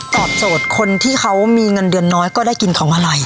ตอบโจทย์คนที่เขามีเงินเดือนน้อยก็ได้กินของอะไร